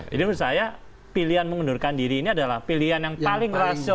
jadi menurut saya pilihan mengundurkan diri ini adalah pilihan yang paling rasional